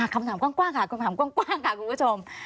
คำถามกว้างค่ะคุณผู้ชม